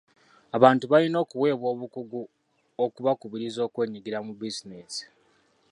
Abantu balina okuweebwa obukugu okubakubiriza okwenyigira mu bizinensi.